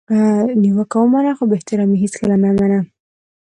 نیوکه ومنه خو بي احترامي هیڅکله مه منه!